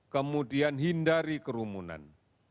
kemudian hindari kerumunan